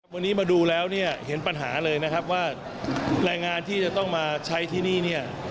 วันนี้มาดูแล้วเนี่ยเห็นปัญหาเลยนะครับว่าแรงงานที่จะต้องมาใช้ที่นี่เนี่ย